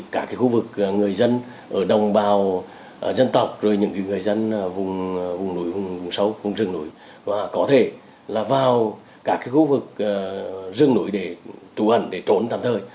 các khu vực rừng núi để trốn tạm thời